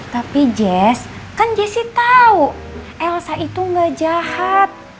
tapi jess kan jessy tau elsa itu gak jahat